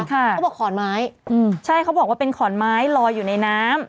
เขาบอกขอนไม้ใช่เขาบอกว่าเป็นขอนไม้ลอยอยู่ในน้ำ